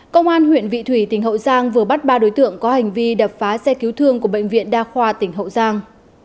công an huyện vị thủy tỉnh hậu giang vừa bắt ba đối tượng có hành vi đập phá xe cứu thương của bệnh viện đa khoa tỉnh hậu giang